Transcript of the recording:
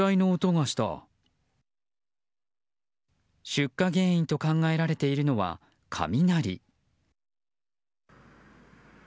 出火原因と考えられているのは雷。